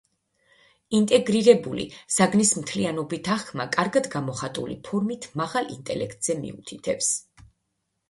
ინტეგრირებული, საგნის მთლიანობითი აღქმა კარგად გამოხატული ფორმით მაღალ ინტელექტზე მიუთითებს.